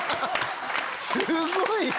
すごい！